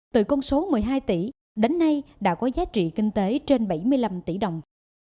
từ công số một mươi hai tỷ đến nay đã có giá trị kinh tế trên bảy mươi năm tỷ đồng